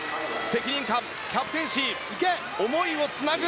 キャプテンシーで思いをつなぐ。